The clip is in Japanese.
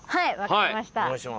はいわかりました。